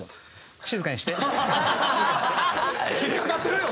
引っかかってるよ